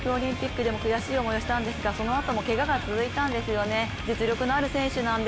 東京オリンピックでも悔しい思いをしたんですがそのあともけがが続いたんですよね。